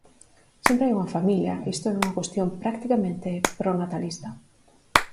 Sempre hai unha familia, isto é unha cuestión practicamente pronatalista.